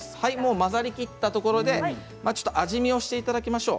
混ざりきったところで、ちょっと味見をしていただきましょう。